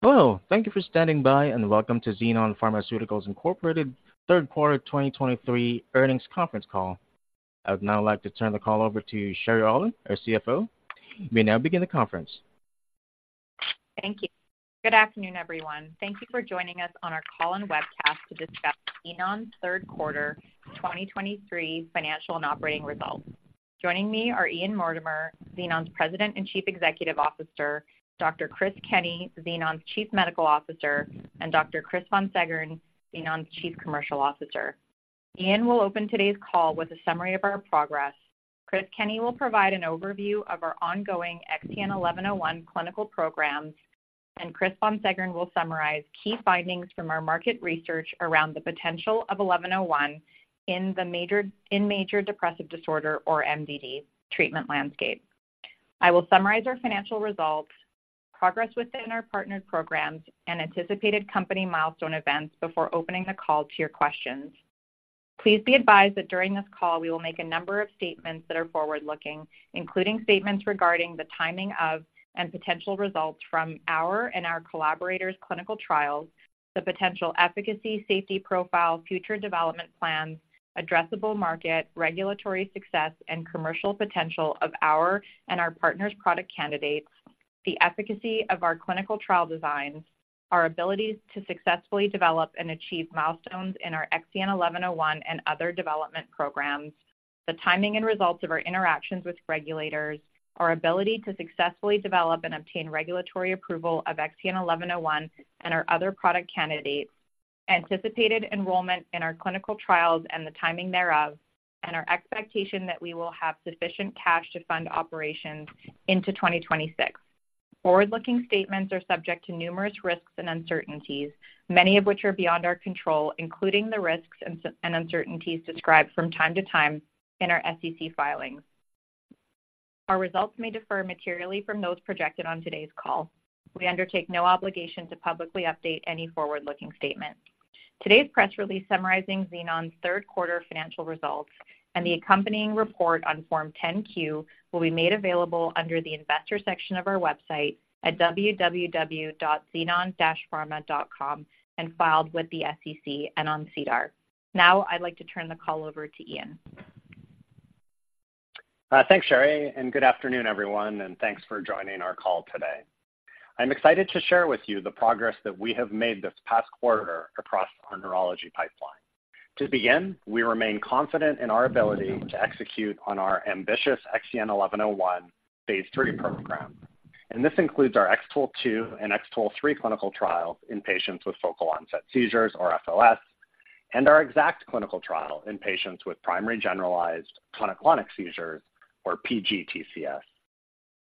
Hello, thank you for standing by, and welcome to Xenon Pharmaceuticals Incorporated third quarter 2023 earnings conference call. I would now like to turn the call over to Sherry Aulin, our CFO. You may now begin the conference. Thank you. Good afternoon, everyone. Thank you for joining us on our call and webcast to discuss Xenon's third quarter 2023 financial and operating results. Joining me are Ian Mortimer, Xenon's President and Chief Executive Officer, Dr. Chris Kenney, Xenon's Chief Medical Officer, and Dr. Chris von Seggern, Xenon's Chief Commercial Officer. Ian will open today's call with a summary of our progress. Chris Kenney will provide an overview of our ongoing XEN1101 clinical programs, and Chris von Seggern will summarize key findings from our market research around the potential of eleven oh one in major depressive disorder or MDD treatment landscape. I will summarize our financial results, progress within our partnered programs, and anticipated company milestone events before opening the call to your questions. Please be advised that during this call, we will make a number of statements that are forward-looking, including statements regarding the timing of and potential results from our and our collaborators' clinical trials, the potential efficacy, safety profile, future development plans, addressable market, regulatory success and commercial potential of our and our partners' product candidates, the efficacy of our clinical trial designs, our abilities to successfully develop and achieve milestones in our XEN1101 and other development programs, the timing and results of our interactions with regulators, our ability to successfully develop and obtain regulatory approval of XEN1101 and our other product candidates, anticipated enrollment in our clinical trials and the timing thereof, and our expectation that we will have sufficient cash to fund operations into 2026. Forward-looking statements are subject to numerous risks and uncertainties, many of which are beyond our control, including the risks and uncertainties described from time to time in our SEC filings. Our results may differ materially from those projected on today's call. We undertake no obligation to publicly update any forward-looking statement. Today's press release summarizing Xenon's third quarter financial results and the accompanying report on Form 10-Q will be made available under the Investor section of our website at www.xenon-pharma.com and filed with the SEC and on SEDAR. Now, I'd like to turn the call over to Ian. Thanks, Sherry, and good afternoon, everyone, and thanks for joining our call today. I'm excited to share with you the progress that we have made this past quarter across our neurology pipeline. To begin, we remain confident in our ability to execute on our ambitious XEN1101 phase 3 program, and this includes our X-TOLE2 and X-TOLE3 clinical trials in patients with focal onset seizures or FOS, and our X-ACKT clinical trial in patients with primary generalized tonic-clonic seizures, or PGTCS.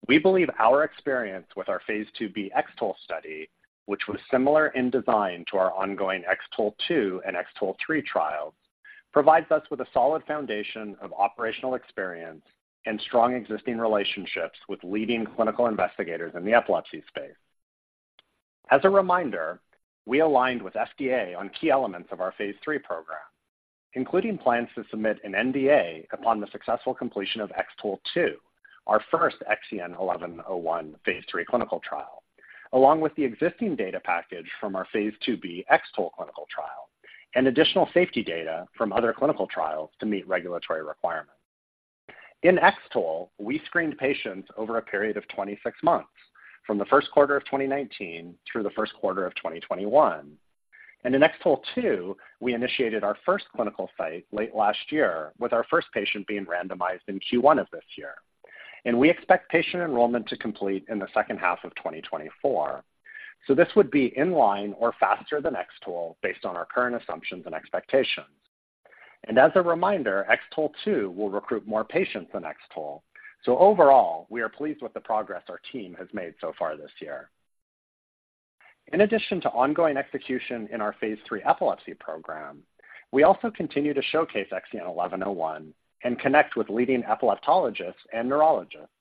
We believe our experience with our phase 2b X-TOLE study, which was similar in design to our ongoing X-TOLE2 and X-TOLE3 trials, provides us with a solid foundation of operational experience and strong existing relationships with leading clinical investigators in the epilepsy space. As a reminder, we aligned with FDA on key elements of our phase 3 program, including plans to submit an NDA upon the successful completion of X-TOLE2, our first XEN1101 phase 3 clinical trial, along with the existing data package from our phase 2b X-TOLE clinical trial and additional safety data from other clinical trials to meet regulatory requirements. In X-TOLE, we screened patients over a period of 26 months, from the first quarter of 2019 through the first quarter of 2021. In X-TOLE2, we initiated our first clinical site late last year, with our first patient being randomized in Q1 of this year. We expect patient enrollment to complete in the second half of 2024. This would be in line or faster than X-TOLE based on our current assumptions and expectations. As a reminder, X-TOLE2 will recruit more patients than X-TOLE. So overall, we are pleased with the progress our team has made so far this year. In addition to ongoing execution in our phase 3 epilepsy program, we also continue to showcase XEN1101 and connect with leading epileptologists and neurologists,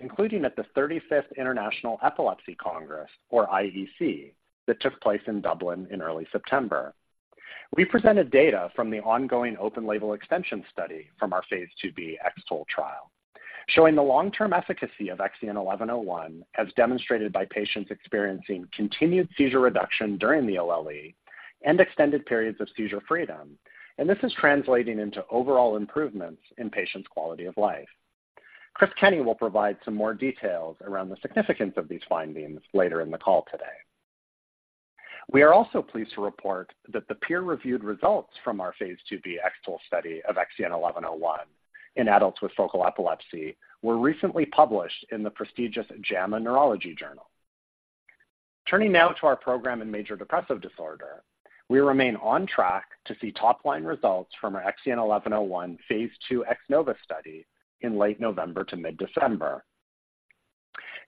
including at the 35th International Epilepsy Congress, or IEC, that took place in Dublin in early September. We presented data from the ongoing open-label extension study from our phase 2b X-TOLE trial, showing the long-term efficacy of XEN1101, as demonstrated by patients experiencing continued seizure reduction during the OLE and extended periods of seizure freedom. This is translating into overall improvements in patients' quality of life. Chris Kenney will provide some more details around the significance of these findings later in the call today. We are also pleased to report that the peer-reviewed results from our phase 2b X-TOLE study of XEN1101 in adults with focal epilepsy were recently published in the prestigious JAMA Neurology. Turning now to our program in major depressive disorder, we remain on track to see top-line results from our XEN1101 phase 2 X-NOVA study in late November to mid-December.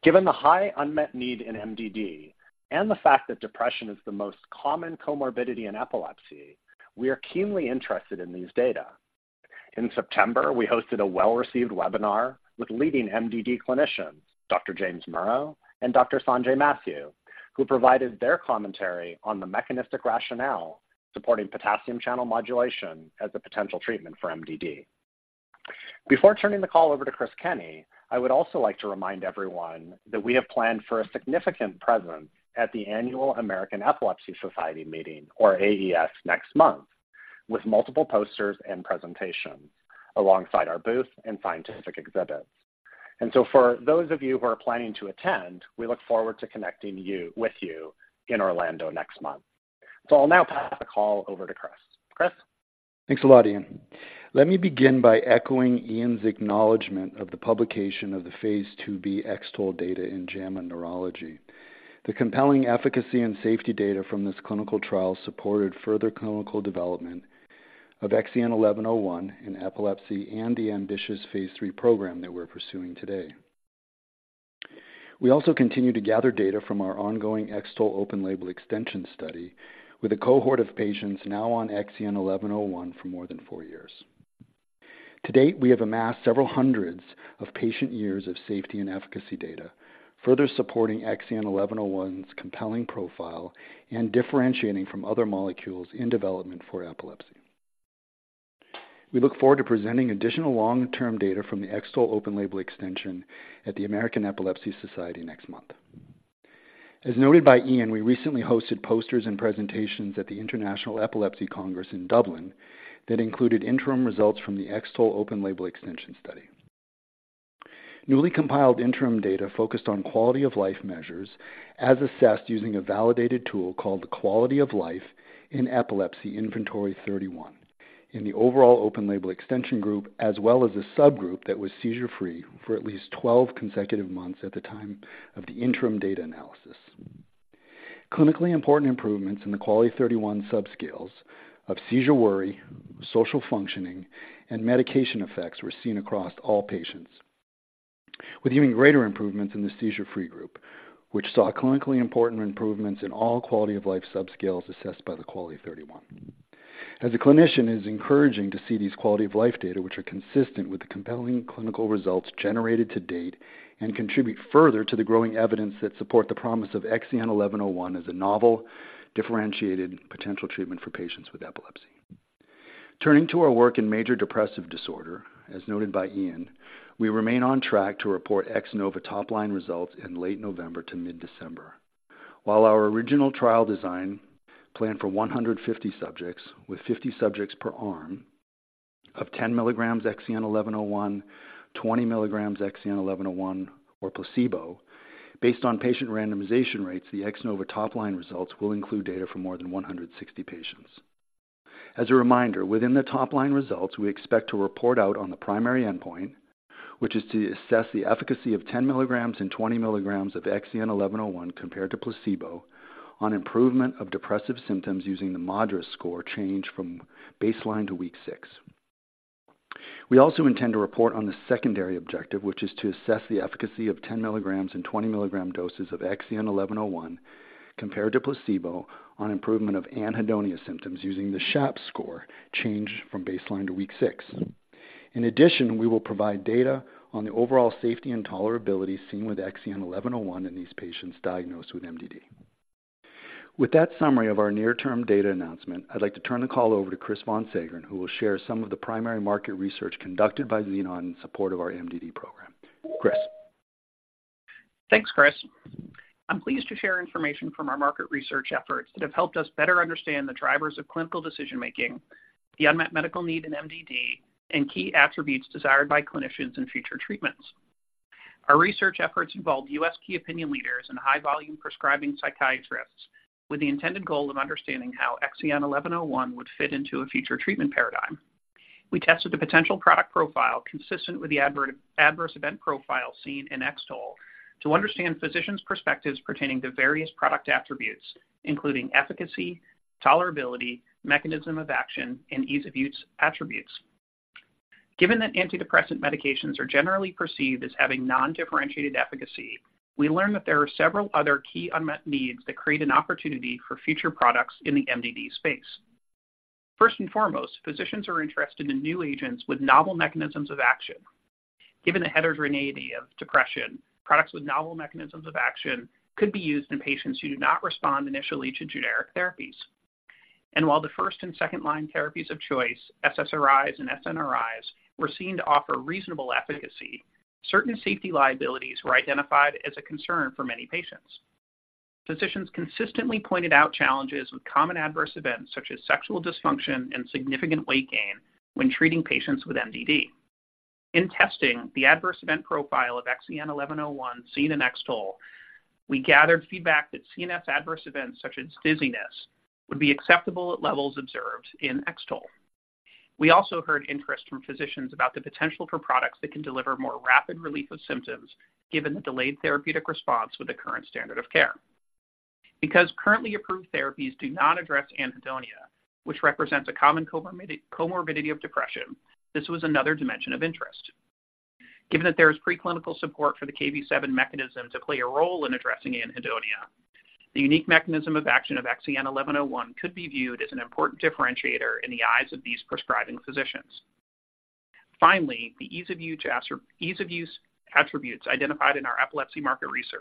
Given the high unmet need in MDD and the fact that depression is the most common comorbidity in epilepsy, we are keenly interested in these data. In September, we hosted a well-received webinar with leading MDD clinicians, Dr. James Murrough and Dr. Sanjay Mathew, who provided their commentary on the mechanistic rationale supporting potassium channel modulation as a potential treatment for MDD... Before turning the call over to Chris Kenney, I would also like to remind everyone that we have planned for a significant presence at the Annual American Epilepsy Society Meeting, or AES, next month, with multiple posters and presentations alongside our booth and scientific exhibits. For those of you who are planning to attend, we look forward to connecting with you in Orlando next month. I'll now pass the call over to Chris. Chris? Thanks a lot, Ian. Let me begin by echoing Ian's acknowledgment of the publication of the phase 2b X-TOLE data in JAMA Neurology. The compelling efficacy and safety data from this clinical trial supported further clinical development of XEN1101 in epilepsy and the ambitious phase 3 program that we're pursuing today. We also continue to gather data from our ongoing X-TOLE open-label extension study, with a cohort of patients now on XEN1101 for more than four years. To date, we have amassed several hundreds of patient years of safety and efficacy data, further supporting XEN1101's compelling profile and differentiating from other molecules in development for epilepsy. We look forward to presenting additional long-term data from the X-TOLE open-label extension at the American Epilepsy Society next month. As noted by Ian, we recently hosted posters and presentations at the International Epilepsy Congress in Dublin that included interim results from the X-TOLE open-label extension study. Newly compiled interim data focused on quality of life measures, as assessed using a validated tool called the Quality of Life in Epilepsy Inventory-31 in the overall open-label extension group, as well as a subgroup that was seizure-free for at least 12 consecutive months at the time of the interim data analysis. Clinically important improvements in the Quality-31 subscales of seizure worry, social functioning, and medication effects were seen across all patients, with even greater improvements in the seizure-free group, which saw clinically important improvements in all quality of life subscales assessed by the Quality-31. As a clinician, it is encouraging to see these quality of life data, which are consistent with the compelling clinical results generated to date and contribute further to the growing evidence that support the promise of XEN1101 as a novel, differentiated potential treatment for patients with epilepsy. Turning to our work in major depressive disorder, as noted by Ian, we remain on track to report X-NOVA top-line results in late November to mid-December. While our original trial design planned for 150 subjects, with 50 subjects per arm of 10 milligrams XEN1101, 20 milligrams XEN1101, or placebo. Based on patient randomization rates, the X-NOVA top-line results will include data from more than 160 patients. As a reminder, within the top-line results, we expect to report out on the primary endpoint, which is to assess the efficacy of 10 milligrams and 20 milligrams of XEN1101 compared to placebo on improvement of depressive symptoms using the MADRS score change from baseline to week six. We also intend to report on the secondary objective, which is to assess the efficacy of 10 milligrams and 20 milligram doses of XEN1101 compared to placebo on improvement of anhedonia symptoms using the SHAPS score changed from baseline to week six. In addition, we will provide data on the overall safety and tolerability seen with XEN1101 in these patients diagnosed with MDD. With that summary of our near-term data announcement, I'd like to turn the call over to Chris von Seggern, who will share some of the primary market research conducted by Xenon in support of our MDD program. Chris? Thanks, Chris. I'm pleased to share information from our market research efforts that have helped us better understand the drivers of clinical decision-making, the unmet medical need in MDD, and key attributes desired by clinicians in future treatments. Our research efforts involved U.S. key opinion leaders and high-volume prescribing psychiatrists, with the intended goal of understanding how XEN1101 would fit into a future treatment paradigm. We tested the potential product profile consistent with the adverse event profile seen in X-TOLE to understand physicians' perspectives pertaining to various product attributes, including efficacy, tolerability, mechanism of action, and ease-of-use attributes. Given that antidepressant medications are generally perceived as having non-differentiated efficacy, we learned that there are several other key unmet needs that create an opportunity for future products in the MDD space. First and foremost, physicians are interested in new agents with novel mechanisms of action. Given the heterogeneity of depression, products with novel mechanisms of action could be used in patients who do not respond initially to generic therapies. While the first and second-line therapies of choice, SSRIs and SNRIs, were seen to offer reasonable efficacy, certain safety liabilities were identified as a concern for many patients. Physicians consistently pointed out challenges with common adverse events, such as sexual dysfunction and significant weight gain, when treating patients with MDD. In testing the adverse event profile of XEN1101 seen in X-TOLE, we gathered feedback that CNS adverse events, such as dizziness, would be acceptable at levels observed in X-TOLE. We also heard interest from physicians about the potential for products that can deliver more rapid relief of symptoms, given the delayed therapeutic response with the current standard of care. Because currently approved therapies do not address anhedonia, which represents a common comorbidity of depression, this was another dimension of interest. Given that there is preclinical support for the Kv7 mechanism to play a role in addressing anhedonia, the unique mechanism of action of XEN1101 could be viewed as an important differentiator in the eyes of these prescribing physicians. Finally, the ease of use attributes identified in our epilepsy market research,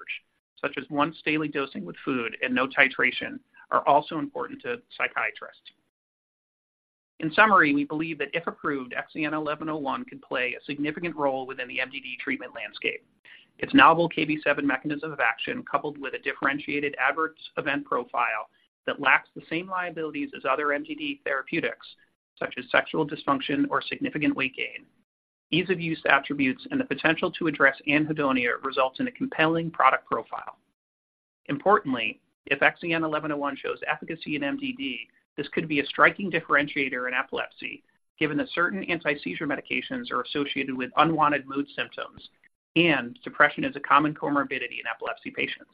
such as once daily dosing with food and no titration, are also important to psychiatrists. In summary, we believe that if approved, XEN1101 could play a significant role within the MDD treatment landscape. Its novel Kv7 mechanism of action, coupled with a differentiated adverse event profile that lacks the same liabilities as other MDD therapeutics, such as sexual dysfunction or significant weight gain, ease-of-use attributes and the potential to address anhedonia, results in a compelling product profile. Importantly, if XEN1101 shows efficacy in MDD, this could be a striking differentiator in epilepsy, given that certain anti-seizure medications are associated with unwanted mood symptoms, and depression is a common comorbidity in epilepsy patients.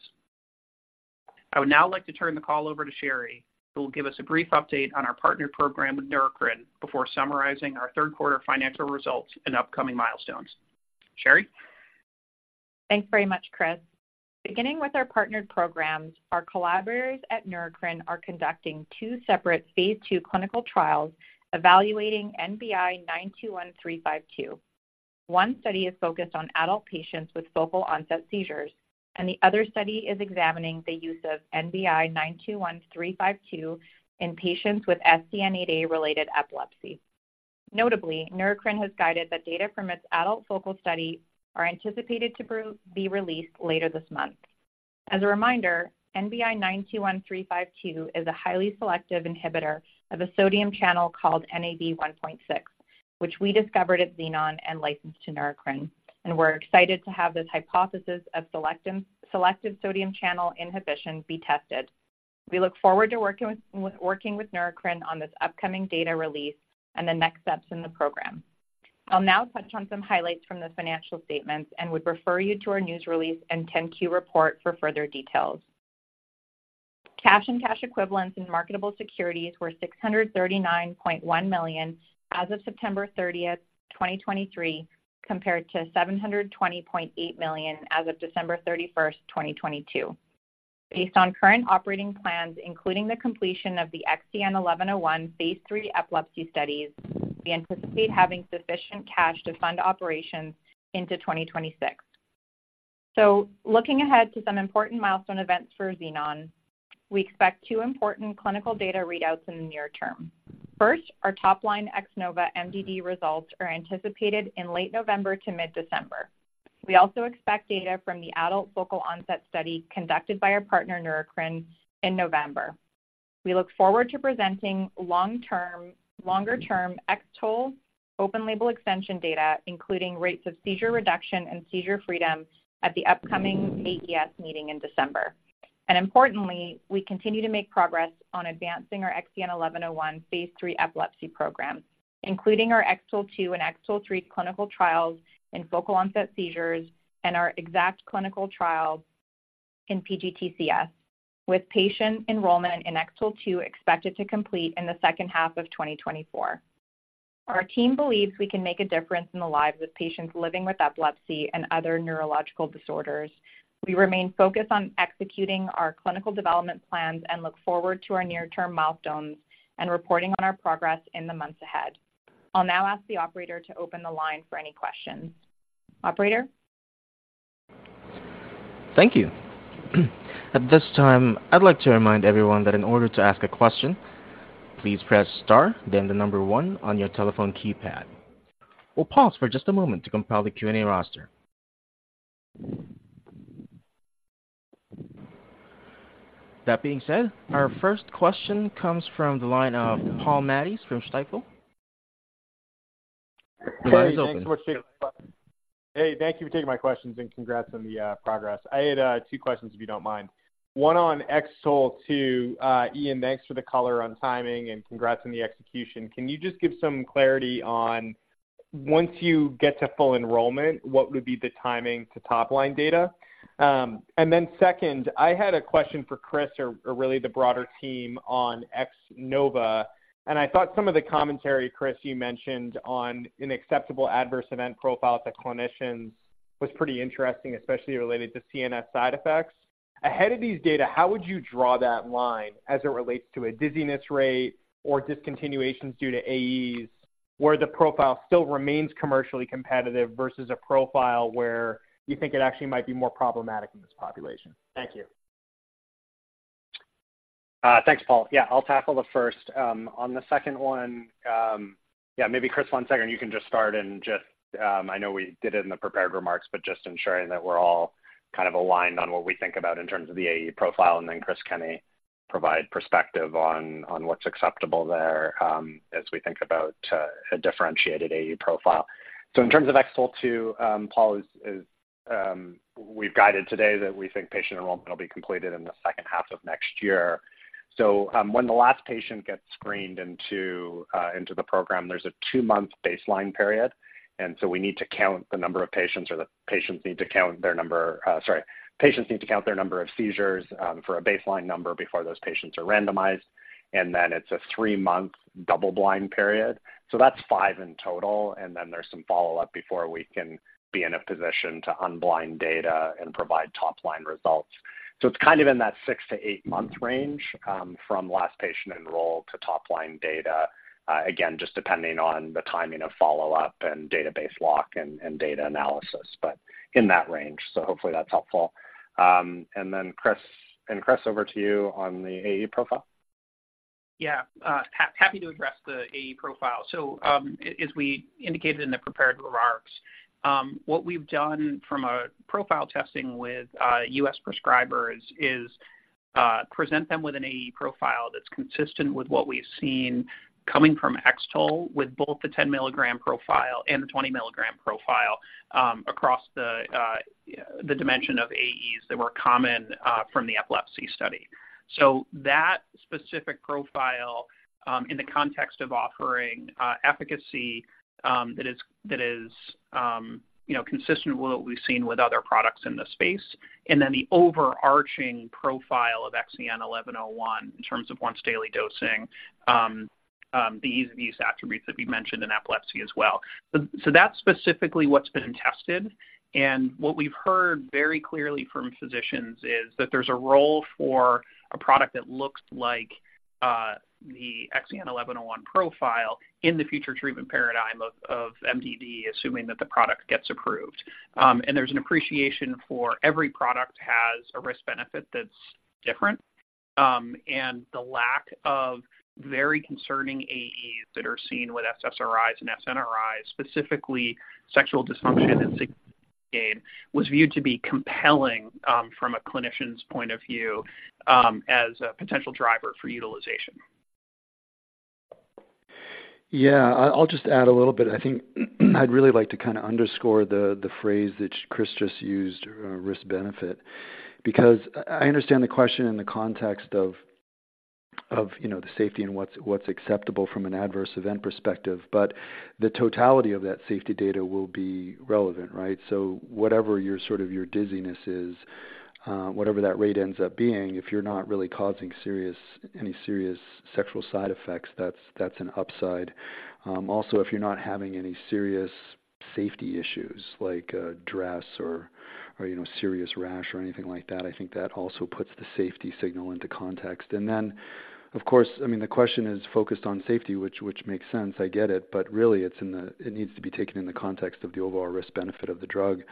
I would now like to turn the call over to Sherry, who will give us a brief update on our partnered program with Neurocrine before summarizing our third quarter financial results and upcoming milestones. Sherry? Thanks very much, Chris. Beginning with our partnered programs, our collaborators at Neurocrine are conducting two separate phase 2 clinical trials evaluating NBI-921352. One study is focused on adult patients with focal onset seizures, and the other study is examining the use of NBI-921352 in patients with SCN8A-related epilepsy. Notably, Neurocrine has guided that data from its adult focal study are anticipated to be released later this month. As a reminder, NBI-921352 is a highly selective inhibitor of a sodium channel called Nav1.6, which we discovered at Xenon and licensed to Neurocrine, and we're excited to have this hypothesis of selective sodium channel inhibition be tested. We look forward to working with Neurocrine on this upcoming data release and the next steps in the program. I'll now touch on some highlights from the financial statements and would refer you to our news release and 10-Q report for further details. Cash and cash equivalents in marketable securities were $639.1 million as of September 30, 2023, compared to $720.8 million as of December 31, 2022. Based on current operating plans, including the completion of the XEN1101 phase 3 epilepsy studies, we anticipate having sufficient cash to fund operations into 2026. So looking ahead to some important milestone events for Xenon, we expect two important clinical data readouts in the near term. First, our top line X-NOVA MDD results are anticipated in late November to mid-December. We also expect data from the adult focal onset study conducted by our partner, Neurocrine, in November. We look forward to presenting longer-term X-TOLE open-label extension data, including rates of seizure reduction and seizure freedom at the upcoming AES meeting in December. Importantly, we continue to make progress on advancing our XEN1101 phase 3 epilepsy program, including our X-TOLE2 and X-TOLE3 clinical trials in focal onset seizures and our EXACT clinical trials in PGTCS, with patient enrollment in X-TOLE2 expected to complete in the second half of 2024. Our team believes we can make a difference in the lives of patients living with epilepsy and other neurological disorders. We remain focused on executing our clinical development plans and look forward to our near-term milestones and reporting on our progress in the months ahead. I'll now ask the operator to open the line for any questions. Operator? Thank you. At this time, I'd like to remind everyone that in order to ask a question, please press star, then the number 1 on your telephone keypad. We'll pause for just a moment to compile the Q&A roster. That being said, our first question comes from the line of Paul Matteis from Stifel. The line is open. Hey, thank you for taking my questions and congrats on the progress. I had two questions, if you don't mind. One on X-TOLE2. Ian, thanks for the color on timing and congrats on the execution. Can you just give some clarity on, once you get to full enrollment, what would be the timing to top-line data? And then second, I had a question for Chris, or really the broader team on X-NOVA, and I thought some of the commentary, Chris, you mentioned on an acceptable adverse event profile that clinicians was pretty interesting, especially related to CNS side effects. Ahead of these data, how would you draw that line as it relates to a dizziness rate or discontinuations due to AEs, where the profile still remains commercially competitive versus a profile where you think it actually might be more problematic in this population? Thank you. Thanks, Paul. Yeah, I'll tackle the first. On the second one, yeah, maybe Chris, one second, you can just start and just, I know we did it in the prepared remarks, but just ensuring that we're all kind of aligned on what we think about in terms of the AE profile, and then Chris Kenney provide perspective on what's acceptable there, as we think about a differentiated AE profile. So in terms of X-TOLE 2, Paul, we've guided today that we think patient enrollment will be completed in the second half of next year. So, when the last patient gets screened into the program, there's a two-month baseline period, and so we need to count the number of patients, or the patients need to count their number... Sorry. Patients need to count their number of seizures for a baseline number before those patients are randomized, and then it's a 3-month double-blind period. So that's 5 in total, and then there's some follow-up before we can be in a position to unblind data and provide top-line results.... So it's kind of in that 6-8-month range, from last patient enrolled to top-line data, again, just depending on the timing of follow-up and database lock and data analysis, but in that range. So hopefully that's helpful. And then, Chris, over to you on the AE profile. Yeah, happy to address the AE profile. So, as we indicated in the prepared remarks, what we've done from a profile testing with US prescribers is present them with an AE profile that's consistent with what we've seen coming from X-TOLE, with both the 10-milligram profile and the 20-milligram profile, across the the dimension of AEs that were common from the epilepsy study. So that specific profile in the context of offering efficacy that is, that is, you know, consistent with what we've seen with other products in the space, and then the overarching profile of XEN1101 in terms of once-daily dosing, the ease of use attributes that we mentioned in epilepsy as well. So that's specifically what's been tested. What we've heard very clearly from physicians is that there's a role for a product that looks like the XEN1101 profile in the future treatment paradigm of MDD, assuming that the product gets approved. There's an appreciation for every product has a risk-benefit that's different, and the lack of very concerning AEs that are seen with SSRIs and SNRIs, specifically sexual dysfunction and... was viewed to be compelling, from a clinician's point of view, as a potential driver for utilization. Yeah, I'll just add a little bit. I think I'd really like to kinda underscore the phrase that Chris just used, risk-benefit, because I understand the question in the context of, you know, the safety and what's acceptable from an adverse event perspective, but the totality of that safety data will be relevant, right? So whatever your sort of your dizziness is, whatever that rate ends up being, if you're not really causing serious—any serious sexual side effects, that's an upside. Also, if you're not having any serious safety issues like, DRESS or, you know, serious rash or anything like that, I think that also puts the safety signal into context. And then, of course, I mean, the question is focused on safety, which makes sense. I get it, but really, it needs to be taken in the context of the overall risk-benefit of the drug.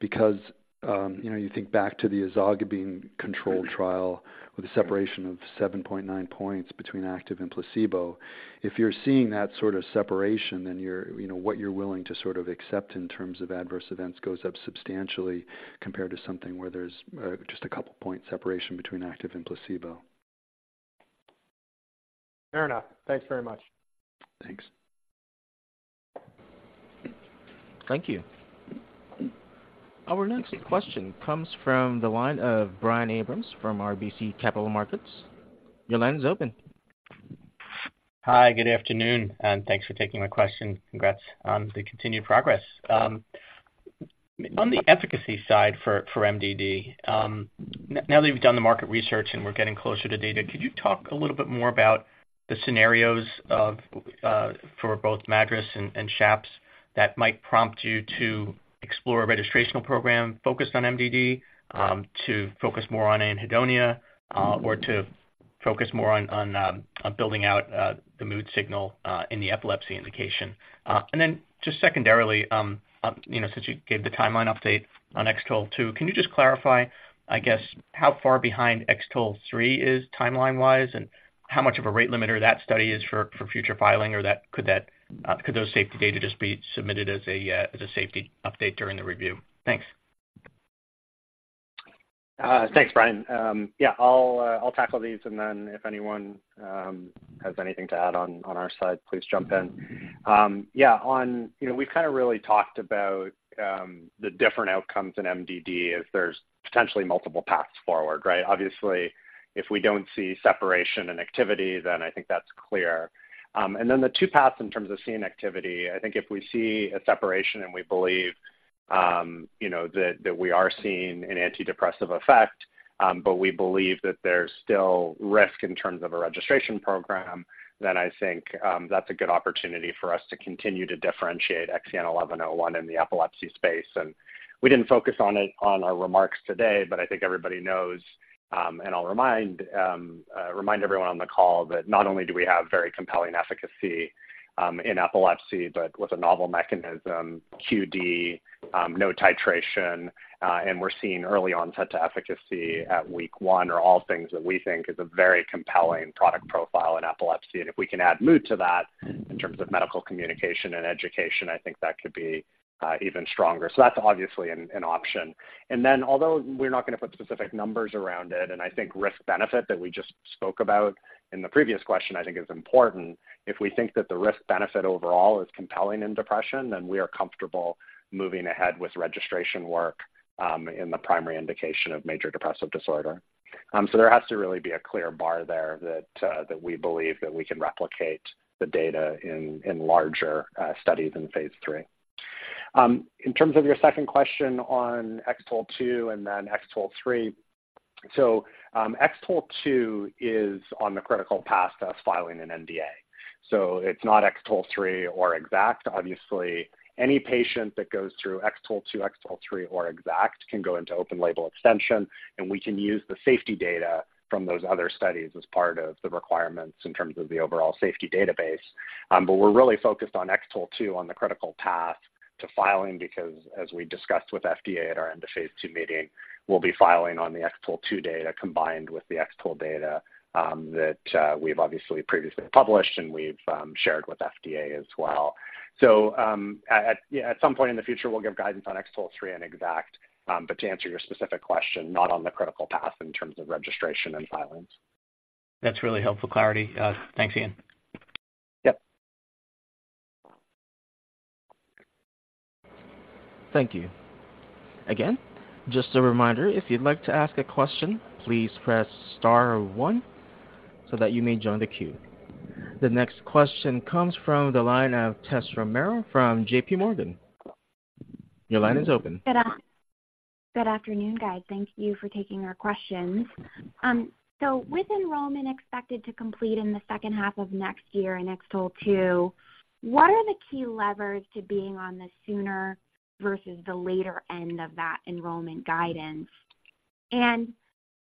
Because, you know, you think back to the ezogabine controlled trial with a separation of 7.9 points between active and placebo. If you're seeing that sort of separation, then you're, you know, what you're willing to sort of accept in terms of adverse events goes up substantially compared to something where there's just a 2-point separation between active and placebo. Fair enough. Thanks very much. Thanks. Thank you. Our next question comes from the line of Brian Abrams from RBC Capital Markets. Your line is open. Hi, good afternoon, and thanks for taking my question. Congrats on the continued progress. On the efficacy side for MDD, now that you've done the market research and we're getting closer to data, could you talk a little bit more about the scenarios for both MADRS and SHAPS that might prompt you to explore a registrational program focused on MDD, to focus more on anhedonia, or to focus more on building out the mood signal in the epilepsy indication? And then just secondarily, you know, since you gave the timeline update on X-TOLE2, can you just clarify, I guess, how far behind X-TOLE3 is timeline-wise, and how much of a rate limiter that study is for future filing, or could those safety data just be submitted as a safety update during the review? Thanks. Thanks, Brian. Yeah, I'll, I'll tackle these, and then if anyone has anything to add on, on our side, please jump in. Yeah, on. You know, we've kind of really talked about the different outcomes in MDD as there's potentially multiple paths forward, right? Obviously, if we don't see separation and activity, then I think that's clear. And then the two paths in terms of seeing activity, I think if we see a separation and we believe you know that, that we are seeing an antidepressive effect, but we believe that there's still risk in terms of a registration program, then I think that's a good opportunity for us to continue to differentiate XEN1101 in the epilepsy space. We didn't focus on it on our remarks today, but I think everybody knows, and I'll remind everyone on the call that not only do we have very compelling efficacy in epilepsy, but with a novel mechanism, QD, no titration, and we're seeing early onset to efficacy at week 1, are all things that we think is a very compelling product profile in epilepsy. If we can add mood to that in terms of medical communication and education, I think that could be even stronger. That's obviously an option. Then, although we're not going to put specific numbers around it, and I think risk-benefit that we just spoke about in the previous question, I think is important. If we think that the risk-benefit overall is compelling in depression, then we are comfortable moving ahead with registration work, in the primary indication of major depressive disorder. So there has to really be a clear bar there that we believe that we can replicate the data in larger studies in phase 3. In terms of your second question on X-TOLE2 and then X-TOLE3. So, X-TOLE2 is on the critical path to us filing an NDA, so it's not X-TOLE2 or EXACT. Obviously, any patient that goes through X-TOLE2, X-TOLE3, or EXACT can go into open label extension, and we can use the safety data from those other studies as part of the requirements in terms of the overall safety database. But we're really focused on X-TOLE2 on the critical path to filing, because as we discussed with FDA at our end of phase 2 meeting, we'll be filing on the X-TOLE2 data, combined with the X-TOLE data that we've obviously previously published and we've shared with FDA as well. So, at some point in the future, we'll give guidance on X-TOLE3 and EXACT, but to answer your specific question, not on the critical path in terms of registration and filings. That's really helpful clarity. Thanks, Ian. Yep. Thank you. Again, just a reminder, if you'd like to ask a question, please press star one so that you may join the queue. The next question comes from the line of Tess Romero from J.P. Morgan. Your line is open. Good afternoon, guys. Thank you for taking our questions. So with enrollment expected to complete in the second half of next year in X-TOLE2, what are the key levers to being on the sooner versus the later end of that enrollment guidance? And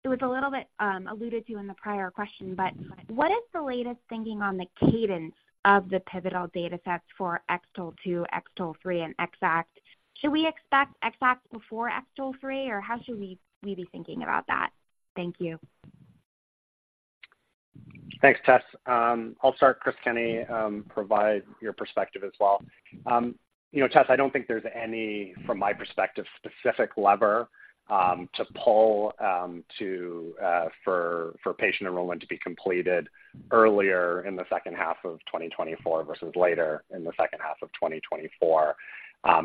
it was a little bit alluded to in the prior question, but what is the latest thinking on the cadence of the pivotal datasets for X-TOLE2, X-TOLE3, and EXACT? Should we expect EXACT before X-TOLE3, or how should we be thinking about that? Thank you. Thanks, Tess. I'll start, Chris Kenney, provide your perspective as well. You know, Tess, I don't think there's any, from my perspective, specific lever, to pull, to, for, for patient enrollment to be completed earlier in the second half of 2024 versus later in the second half of 2024.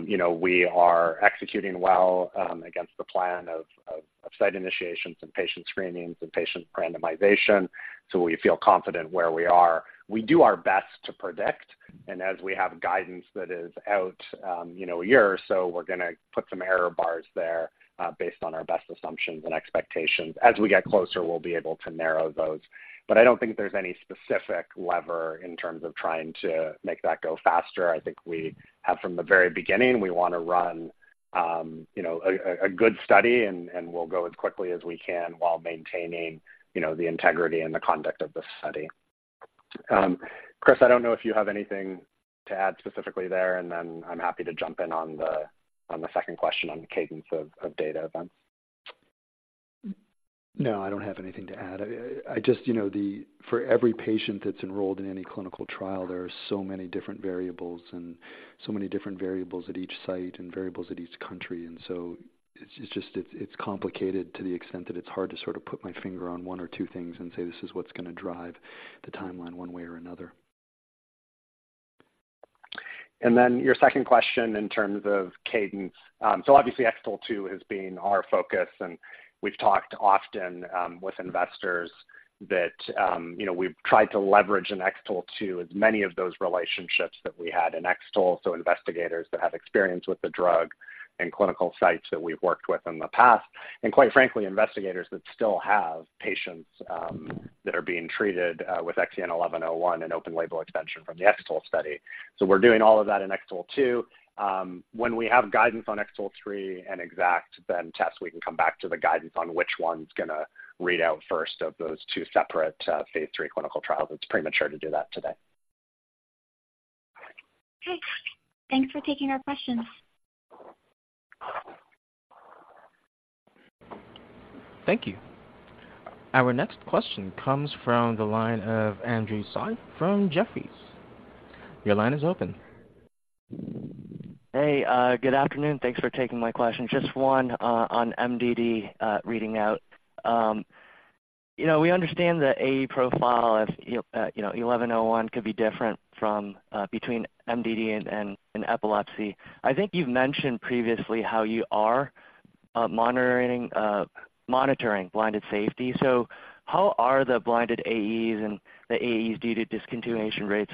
You know, we are executing well, against the plan of, of, of site initiations and patient screenings and patient randomization, so we feel confident where we are. We do our best to predict, and as we have guidance that is out, you know, a year or so, we're gonna put some error bars there, based on our best assumptions and expectations. As we get closer, we'll be able to narrow those. But I don't think there's any specific lever in terms of trying to make that go faster. I think we have from the very beginning, we wanna run, you know, a good study, and we'll go as quickly as we can while maintaining, you know, the integrity and the conduct of the study. Chris, I don't know if you have anything to add specifically there, and then I'm happy to jump in on the second question on the cadence of data then. No, I don't have anything to add. I just, you know, for every patient that's enrolled in any clinical trial, there are so many different variables and so many different variables at each site and variables at each country, and so it's just, it's, it's complicated to the extent that it's hard to sort of put my finger on one or two things and say, "This is what's gonna drive the timeline one way or another. Then your second question in terms of cadence. So obviously X-TOLE 2 has been our focus, and we've talked often with investors that, you know, we've tried to leverage in X-TOLE 2 as many of those relationships that we had in X-TOLE, so investigators that have experience with the drug and clinical sites that we've worked with in the past. And quite frankly, investigators that still have patients that are being treated with XEN1101 and open label extension from the X-TOLE study. So we're doing all of that in X-TOLE 2. When we have guidance on X-TOLE 3 and EXACT, then, Tess, we can come back to the guidance on which one's gonna read out first of those two separate phase 3 clinical trials. It's premature to do that today. Okay. Thanks for taking our questions. Thank you. Our next question comes from the line of Andrew Tsai from Jefferies. Your line is open. Hey, good afternoon. Thanks for taking my question. Just one on MDD reading out. You know, we understand the AE profile, as you know, eleven oh one can be different from between MDD and epilepsy. I think you've mentioned previously how you are monitoring blinded safety. So how are the blinded AEs and the AEs due to discontinuation rates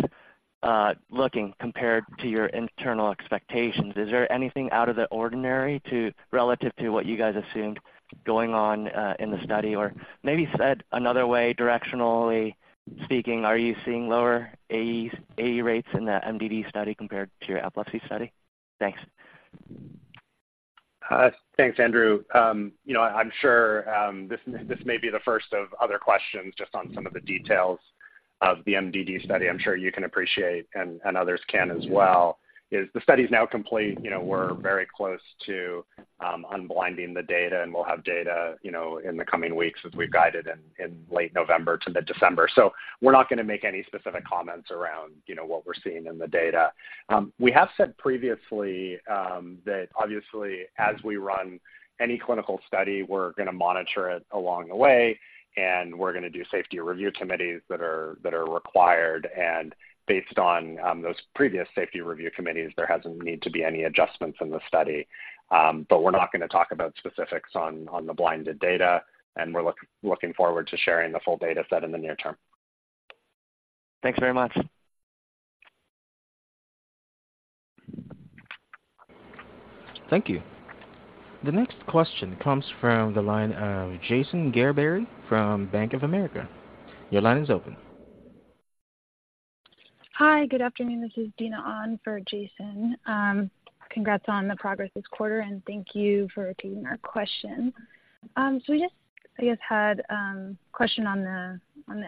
looking compared to your internal expectations? Is there anything out of the ordinary relative to what you guys assumed going on in the study? Or maybe said another way, directionally speaking, are you seeing lower AEs, AE rates in the MDD study compared to your epilepsy study? Thanks. Thanks, Andrew. You know, I'm sure this may be the first of other questions just on some of the details of the MDD study. I'm sure you can appreciate and others can as well. Mm-hmm. The study is now complete, you know, we're very close to unblinding the data, and we'll have data, you know, in the coming weeks, as we've guided in late November to mid-December. So we're not gonna make any specific comments around, you know, what we're seeing in the data. We have said previously that obviously, as we run any clinical study, we're gonna monitor it along the way, and we're gonna do safety review committees that are required. And based on those previous safety review committees, there hasn't been a need to be any adjustments in the study. But we're not gonna talk about specifics on the blinded data, and we're looking forward to sharing the full data set in the near term. Thanks very much. Thank you. The next question comes from the line of Jason Gerberry from Bank of America. Your line is open. Hi, good afternoon. This is Dina on for Jason. Congrats on the progress this quarter, and thank you for taking our question. So we just, I guess, had a question on the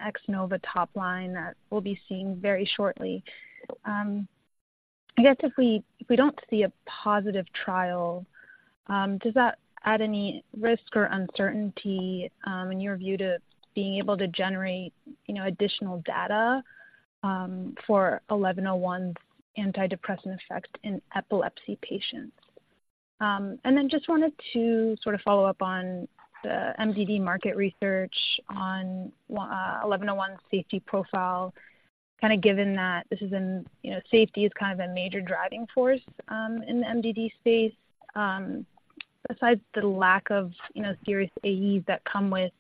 X-NOVA top line that we'll be seeing very shortly. I guess if we don't see a positive trial, does that add any risk or uncertainty, in your view, to being able to generate, you know, additional data for 1101's antidepressant effect in epilepsy patients? And then just wanted to sort of follow up on the MDD market research on 1101 safety profile, kind of given that this is in, you know, safety is kind of a major driving force in the MDD space. Besides the lack of, you know, serious AEs that come with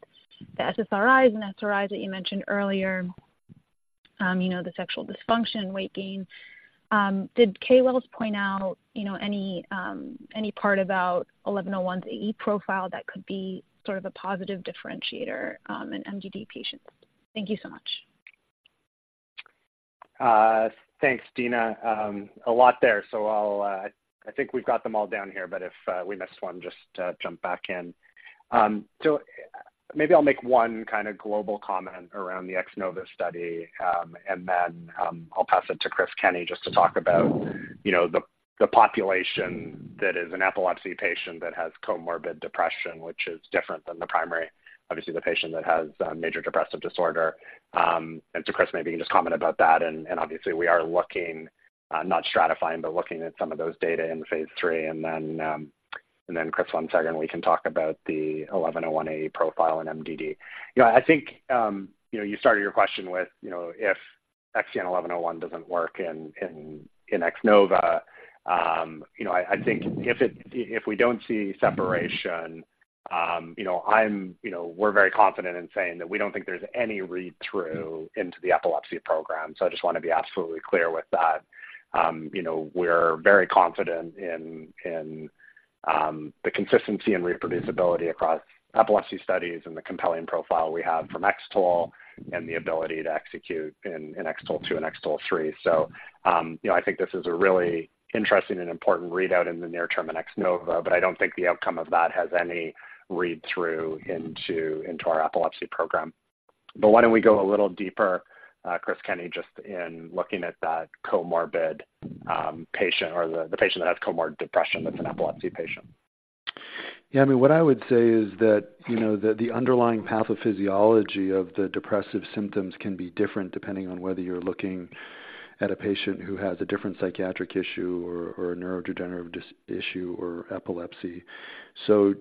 the SSRIs and SRIs that you mentioned earlier, you know, the sexual dysfunction, weight gain. Did KOLs point out, you know, any part about eleven oh one's AE profile that could be sort of a positive differentiator, in MDD patients? Thank you so much. Thanks, Dina. A lot there. So I'll, I think we've got them all down here, but if we missed one, just jump back in. So maybe I'll make one kind of global comment around the X-NOVA study, and then I'll pass it to Chris Kenney, just to talk about, you know, the population that is an epilepsy patient that has comorbid depression, which is different than the primary. Obviously, the patient that has major depressive disorder. And so, Chris, maybe you can just comment about that, and obviously, we are looking, not stratifying, but looking at some of those data in the phase 3, and then, Chris, one second, we can talk about the 1101 A profile in MDD. You know, I think you know, you started your question with, you know, if XEN1101 doesn't work in X-NOVA. You know, I think if we don't see separation, you know, I'm you know, we're very confident in saying that we don't think there's any read-through into the epilepsy program. So I just want to be absolutely clear with that. You know, we're very confident in the consistency and reproducibility across epilepsy studies and the compelling profile we have from X-TOLE and the ability to execute in X-TOLE2 and X-TOLE3. So, you know, I think this is a really interesting and important readout in the near term in X-NOVA, but I don't think the outcome of that has any read-through into our epilepsy program. But why don't we go a little deeper, Chris Kenney, just in looking at that comorbid patient or the patient that has comorbid depression, that's an epilepsy patient. Yeah, I mean, what I would say is that, you know, the underlying pathophysiology of the depressive symptoms can be different depending on whether you're looking at a patient who has a different psychiatric issue or a neurodegenerative issue or epilepsy. So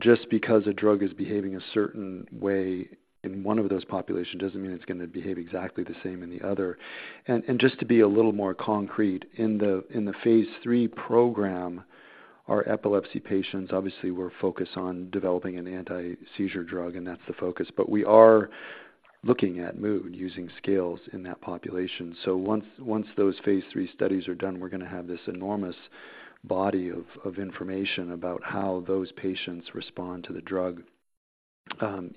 just because a drug is behaving a certain way in one of those populations, doesn't mean it's going to behave exactly the same in the other. And just to be a little more concrete, in the phase three program, our epilepsy patients, obviously, we're focused on developing an anti-seizure drug, and that's the focus. But we are looking at mood using scales in that population. So once those phase three studies are done, we're going to have this enormous body of information about how those patients respond to the drug,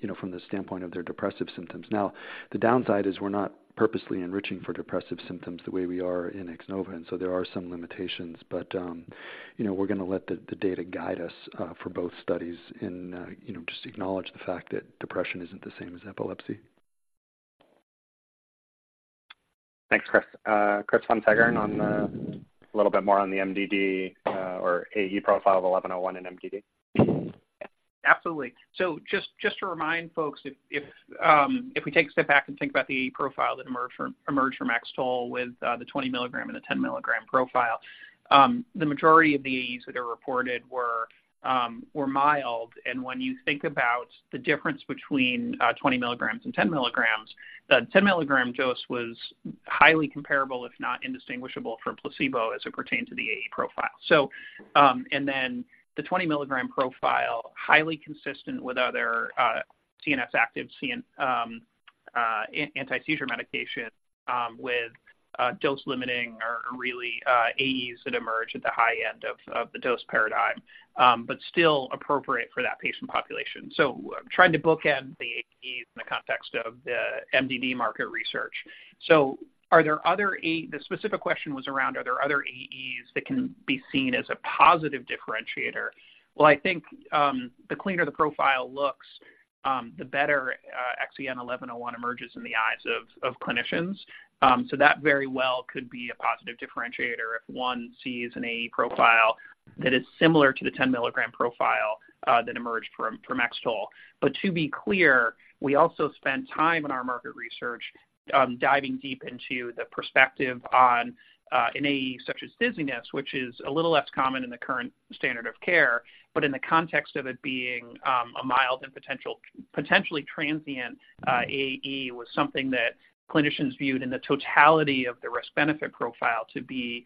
you know, from the standpoint of their depressive symptoms. Now, the downside is we're not purposely enriching for depressive symptoms the way we are in X-NOVA, and so there are some limitations. But, you know, we're going to let the data guide us for both studies and, you know, just acknowledge the fact that depression isn't the same as epilepsy. Thanks, Chris. Chris von Seggern, on the, a little bit more on the MDD or AE profile of 1101 and MDD. Absolutely. So just to remind folks, if we take a step back and think about the profile that emerged from X-TOLE with the 20 milligram and the 10 milligram profile, the majority of the AEs that are reported were mild. And when you think about the difference between 20 milligrams and 10 milligrams, the 10 milligram dose was highly comparable, if not indistinguishable from placebo as it pertained to the AE profile. So, and then the 20 milligram profile, highly consistent with other CNS active anti-seizure medication, with dose-limiting or really AEs that emerge at the high end of the dose paradigm, but still appropriate for that patient population. So trying to bookend the AEs in the context of the MDD market research. The specific question was around, are there other AEs that can be seen as a positive differentiator? Well, I think, the cleaner the profile looks, the better, XEN1101 emerges in the eyes of, of clinicians. So that very well could be a positive differentiator if one sees an AE profile that is similar to the 10 milligram profile, that emerged from, from X-TOLE. But to be clear, we also spent time in our market research, diving deep into the perspective on, an AE such as dizziness, which is a little less common in the current standard of care. In the context of it being a mild and potentially transient AE was something that clinicians viewed in the totality of the risk-benefit profile to be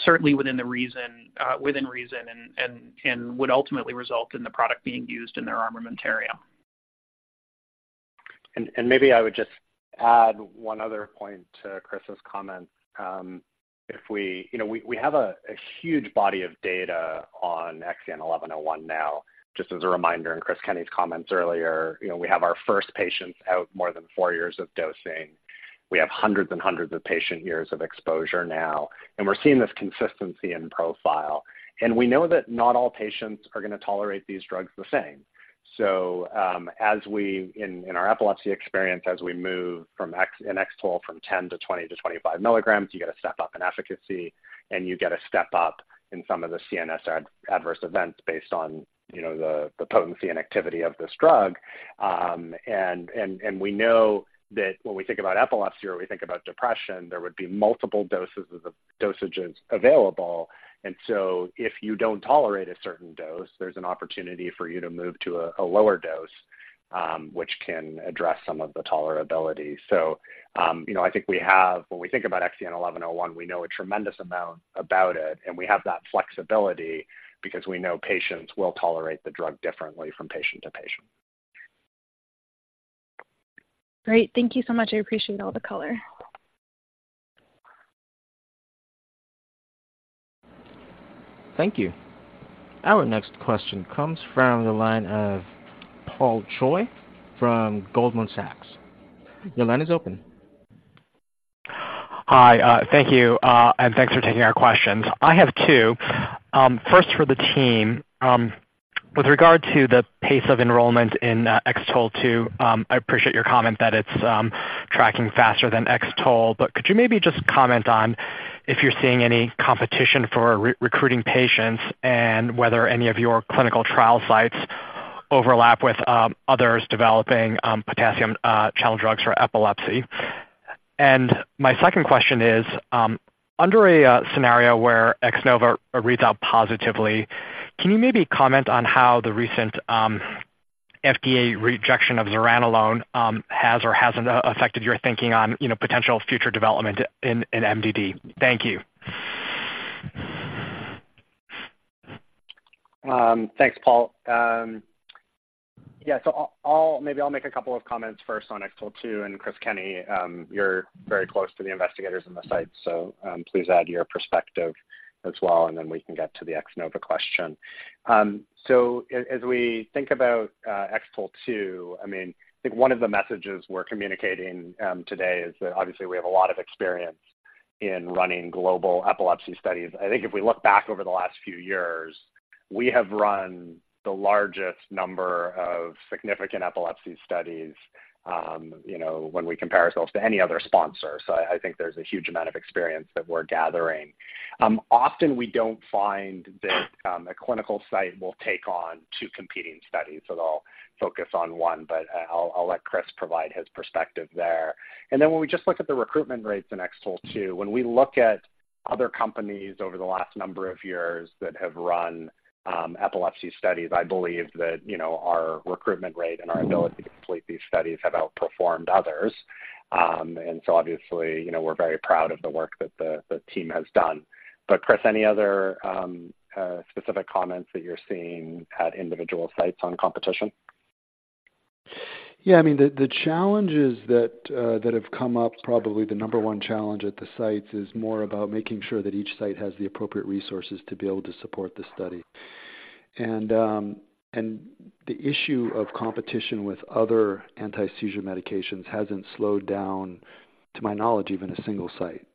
certainly within reason and would ultimately result in the product being used in their armamentarium. ...And maybe I would just add one other point to Chris's comment. If we, you know, we have a huge body of data on XEN1101 now. Just as a reminder, in Chris Kenney's comments earlier, you know, we have our first patients out more than 4 years of dosing. We have hundreds and hundreds of patient years of exposure now, and we're seeing this consistency in profile. And we know that not all patients are going to tolerate these drugs the same. So, as we, in our epilepsy experience, as we move from X-TOLE from 10 to 20 to 25 milligrams, you get a step up in efficacy, and you get a step up in some of the CNS adverse events based on, you know, the potency and activity of this drug. We know that when we think about epilepsy or we think about depression, there would be multiple doses of the dosages available. And so if you don't tolerate a certain dose, there's an opportunity for you to move to a lower dose, which can address some of the tolerability. So, you know, I think we have, when we think about XEN1101, we know a tremendous amount about it, and we have that flexibility because we know patients will tolerate the drug differently from patient to patient. Great. Thank you so much. I appreciate all the color. Thank you. Our next question comes from the line of Paul Choi from Goldman Sachs. Your line is open. Hi, thank you, and thanks for taking our questions. I have two. First, for the team, with regard to the pace of enrollment in X-TOLE 2, I appreciate your comment that it's tracking faster than X-TOLE, but could you maybe just comment on if you're seeing any competition for recruiting patients and whether any of your clinical trial sites overlap with others developing potassium channel drugs for epilepsy? And my second question is, under a scenario where X-NOVA reads out positively, can you maybe comment on how the recent FDA rejection of zuranolone has or hasn't affected your thinking on, you know, potential future development in MDD? Thank you. Thanks, Paul. Yeah, so I'll, I'll maybe I'll make a couple of comments first on X-TOLE 2, and Chris Kenney, you're very close to the investigators on the site, so please add your perspective as well, and then we can get to the X-NOVA question. So as, as we think about, X-TOLE 2, I mean, I think one of the messages we're communicating, today is that obviously we have a lot of experience in running global epilepsy studies. I think if we look back over the last few years, we have run the largest number of significant epilepsy studies, you know, when we compare ourselves to any other sponsor. So I, I think there's a huge amount of experience that we're gathering. Often we don't find that a clinical site will take on two competing studies, so they'll focus on one, but I'll let Chris provide his perspective there. And then when we just look at the recruitment rates in XTOL 2, when we look at other companies over the last number of years that have run epilepsy studies, I believe that, you know, our recruitment rate and our ability to complete these studies have outperformed others. And so obviously, you know, we're very proud of the work that the team has done. But, Chris, any other specific comments that you're seeing at individual sites on competition? Yeah, I mean, the challenges that have come up, probably the number one challenge at the sites, is more about making sure that each site has the appropriate resources to be able to support the study. And the issue of competition with other anti-seizure medications hasn't slowed down, to my knowledge, even a single site.